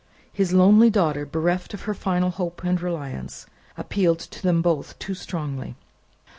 His lonely daughter, bereft of her final hope and reliance, appealed to them both too strongly.